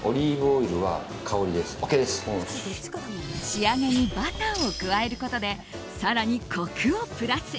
仕上げにバターを加えることで更にコクをプラス。